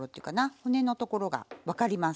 骨のところが分かります。